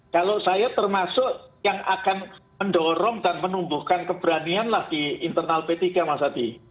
kalau saya termasuk yang akan mendorong dan menumbuhkan keberanian lah di internal p tiga mas adi